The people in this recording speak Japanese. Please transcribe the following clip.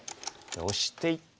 オシていって。